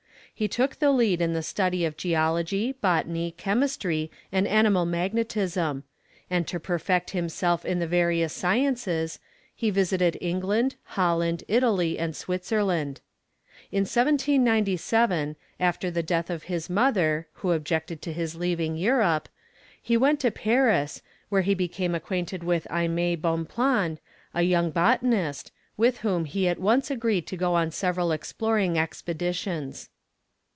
He took the lead in the study of geology, botany, chemistry, and animal magnetism; and to perfect himself in the various sciences, he visited England, Holland, Italy, and Switzerland. In 1797, after the death of his mother, who objected to his leaving Europe, he went to Paris, where he became acquainted with Aimé Bonpland, a young botanist, with whom he at once agreed to go on several exploring expeditions.